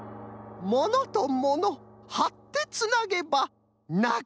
「ものとものはってつなげばなかよしだ」。